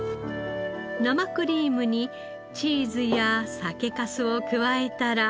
生クリームにチーズや酒粕を加えたら。